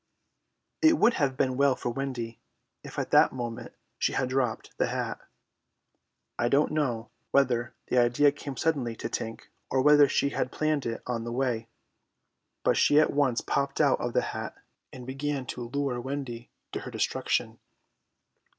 It would have been well for Wendy if at that moment she had dropped the hat. I don't know whether the idea came suddenly to Tink, or whether she had planned it on the way, but she at once popped out of the hat and began to lure Wendy to her destruction.